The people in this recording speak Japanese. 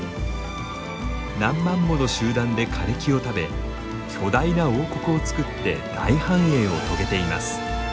何万もの集団で枯れ木を食べ巨大な王国を作って大繁栄を遂げています。